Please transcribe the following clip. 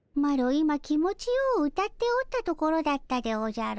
今気持ちよう歌っておったところだったでおじゃる。